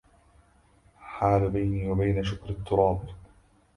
حال بيني وبين شكري التراب